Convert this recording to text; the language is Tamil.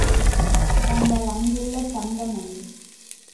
தங்கள் அன்புள்ள, தங்கமணி.